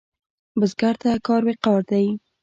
بزګر ته کار وقار دی